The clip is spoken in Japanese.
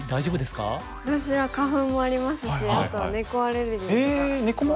私は花粉もありますしあと猫アレルギーとか。